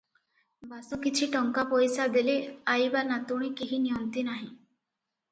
ବାସୁ କିଛି ଟଙ୍କା ପଇସା ଦେଲେ ଆଈ ବା ନାତୁଣୀ କେହି ନିଅନ୍ତି ନାହିଁ ।